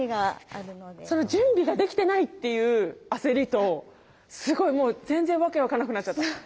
その準備ができてないっていう焦りとすごいもう全然訳分かんなくなっちゃった！